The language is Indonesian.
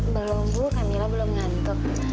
belum bu camilla belum ngantuk